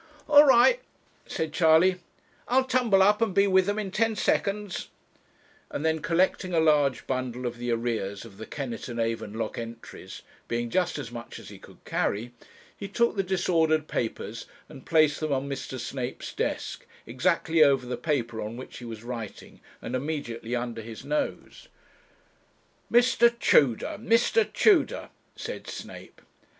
'All right,' said Charley; 'I'll tumble up and be with them in ten seconds;' and then collecting together a large bundle of the arrears of the Kennett and Avon lock entries, being just as much as he could carry, he took the disordered papers and placed them on Mr. Snape's desk, exactly over the paper on which he was writing, and immediately under his nose. 'Mr. Tudor Mr. Tudor!' said Snape.